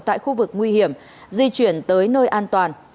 tại khu vực nguy hiểm di chuyển tới nơi an toàn